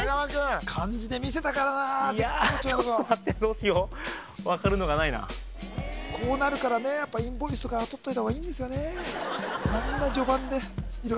漢字でみせたからないやちょっと待ってどうしよう分かるのがないなこうなるからやっぱインボイスとかは取っといた方がいいんですよね